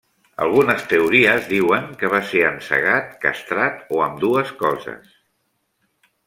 Algunes teories diuen que va ser encegat, castrat, o ambdues coses.